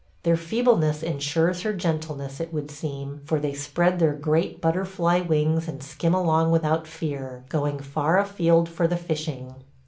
Their feebleness insures her gentleness, it would seem, for they spread their great butterfly wings and skim along without fear, going far afield for the fishing.